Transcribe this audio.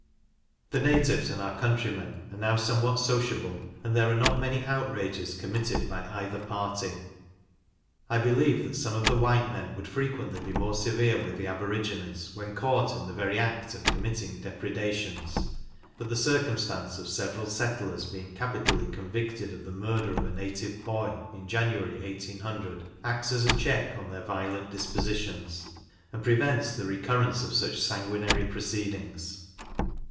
The natives and our countrymen are now somewhat sociable, and there are not many outrages committed by either party. I believe that some of the white men would frequently be more severe with the Aborigines, when caught in the very act of committing depredations, but the circumstance of several settlers being capitally convicted of the murder of a native boy, in January, 1800, acts as a check on their violent dispositions, and prevents the recurrence of such sanguinary proceedings.